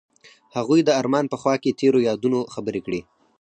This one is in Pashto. هغوی د آرمان په خوا کې تیرو یادونو خبرې کړې.